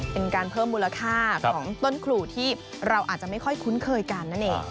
เป็นการเพิ่มมูลค่าของต้นขู่ที่เราอาจจะไม่ค่อยคุ้นเคยกันนั่นเอง